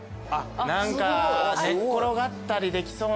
何か寝っ転がったりできそうな感じの。